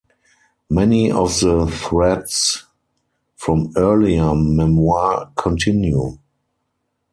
Many of the threads from earlier memoir continue.